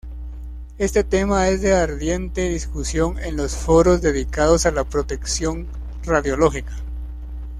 Este tema es de ardiente discusión en los foros dedicados a la protección radiológica.